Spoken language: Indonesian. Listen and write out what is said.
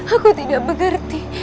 aku tidak mengerti